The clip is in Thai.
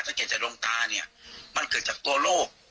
เกิดจากดวงตาเนี่ยมันเกิดจากตัวโรค